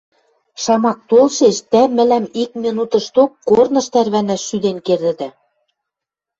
Шамак толшеш, тӓ мӹлӓм ик минутышток корныш тӓрвӓнӓш шӱден кердӹдӓ.